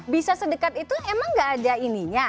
bisa sedekat itu emang gak ada ininya